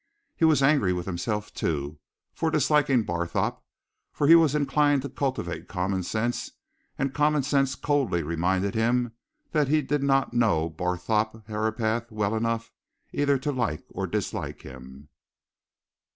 He was angry with himself, too, for disliking Barthorpe, for he was inclined to cultivate common sense, and common sense coldly reminded him that he did not know Barthorpe Herapath well enough to either like or dislike him.